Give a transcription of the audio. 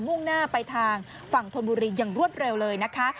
่งหน้าไปทางฝั่งธนบุรีอย่างรวดเร็วเลยนะคะ